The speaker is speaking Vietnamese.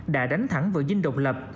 đã đánh thẳng vợ dinh độc lập